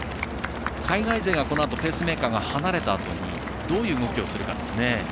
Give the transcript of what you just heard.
海外勢がこのあとペースメーカーが外れたあとにどういう動きをするかですね。